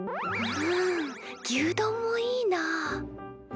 うん牛丼もいいなあ。